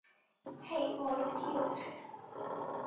হেই, বলো কী হচ্ছে।